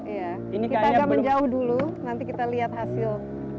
kita agak menjauh dulu nanti kita lihat hasil